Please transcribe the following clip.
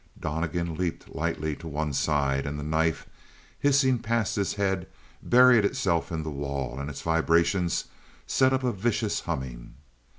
Donnegan leaped lightly to one side, and the knife, hissing past his head, buried itself in the wall, and its vibrations set up a vicious humming.